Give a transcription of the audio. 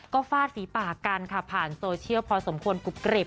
ก็ฟาดฝีปากกันค่ะผ่านโซเชียลพอสมควรกรุบกริบ